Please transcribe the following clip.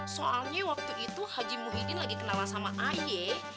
soalnya waktu itu haji muhyiddin lagi kenalan sama ayah